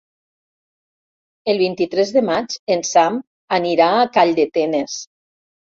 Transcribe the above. El vint-i-tres de maig en Sam anirà a Calldetenes.